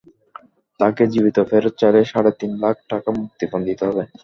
তাকে জীবিত ফেরত চাইলে সাড়ে তিন লাখ টাকা মুক্তিপণ দিতে হবে।